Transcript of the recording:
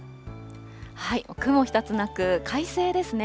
雲一つなく、快晴ですね。